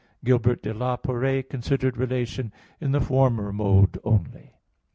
Gilbert de la Porree considered relation in the former mode only.